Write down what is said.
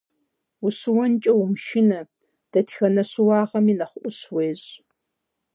Ущыуэнкӏэ умышынэ, дэтхэнэ щыуагъэми нэхъ ӏущ уещӏ.